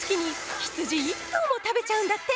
月に羊１頭も食べちゃうんだって。